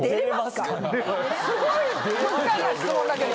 すごい極端な質問だけど。